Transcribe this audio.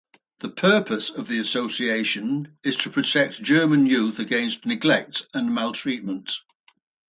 The purpose of the association is to protect German youth against neglect and maltreatment.